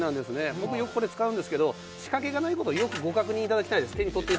僕、よくこれ使うんですけど、仕掛けがないことをよくご確認いただきたいです。